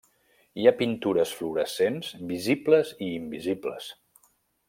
Hi ha pintures fluorescents visibles i invisibles.